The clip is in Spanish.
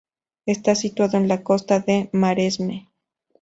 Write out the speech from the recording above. Está situado en la costa del Maresme.